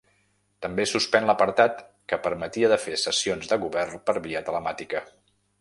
També suspèn l’apartat que permetia de fer sessions de govern per via telemàtica.